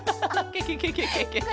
ケケケケケケケ。